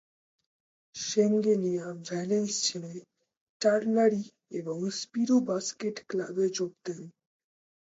শেঙ্গেলিয়া ভ্যালেন্স ছেড়ে চারলারই এবং স্পিরু বাস্কেট ক্লাবে যোগ দেন।